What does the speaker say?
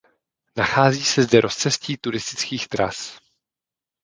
Nachází se zde rozcestí turistických tras.